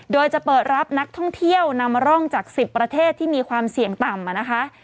โดยจะเปิดรับนักท่องเที่ยวนำร่องจาก๑๐ประเทศที่มีความเสี่ยงต่ำนะคะ